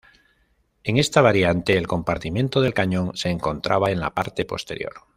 En esta variante, el compartimiento del cañón se encontraba en la parte posterior.